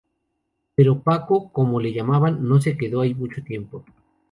Pero Paco, como le llamaban, no se quedó allí mucho tiempo.